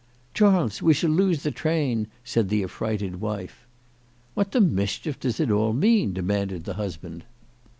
" Charles, we shall lose the train," said the affrighted wife. " What the mischief does it all mean ?" demanded the husband.